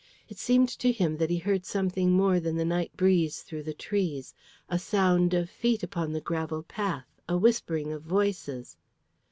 It seemed to him that he heard something more than the night breeze through the trees, a sound of feet upon the gravel path, a whispering of voices.